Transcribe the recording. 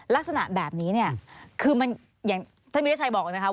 ลักษณะแบบนี้เนี่ยคือมันอย่างท่านวิทยาชัยบอกนะคะ